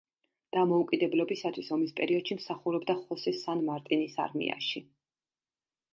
დამოუკიდებლობისათვის ომის პერიოდში მსახურობდა ხოსე სან-მარტინის არმიაში.